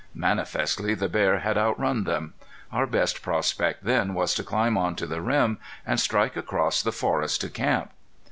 Manifestly the bear had outrun them. Our best prospect then was to climb on to the rim and strike across the forest to camp.